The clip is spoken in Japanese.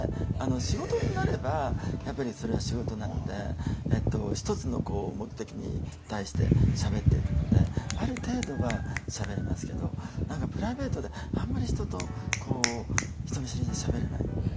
仕事になればやっぱりそれは仕事なので一つの目的に対してしゃべっていくのである程度はしゃべれますけど何かプライベートであんまり人と人見知りでしゃべれない。